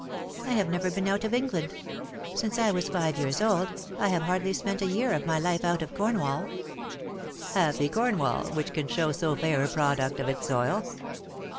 T have never been out of England. Since I was five years old I have hardly spent a year of my life out of Cornwall/' *' Happy Cornwall,, which can show so fair a product of its soil